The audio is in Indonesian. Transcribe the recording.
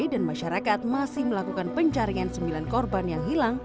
dan masyarakat masih melakukan pencarian sembilan korban yang hilang